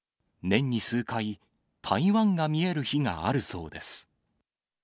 年に数回、台湾が見える日があるそうです。